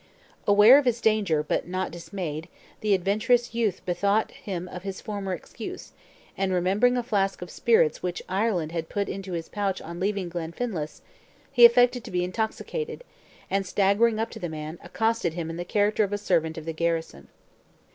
Aware of his danger, but not dismayed, the adventurous youth bethought him of his former excuse; and remembering a flask of spirits which Ireland had put into his pouch on leaving Glenfinlass, he affected to be intoxicated, and staggering up to the man, accosted him in the character of a servant of the garrison.